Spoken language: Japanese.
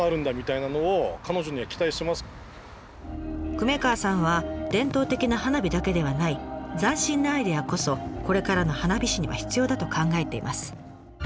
久米川さんは伝統的な花火だけではない斬新なアイデアこそこれからの花火師には必要だと考えています。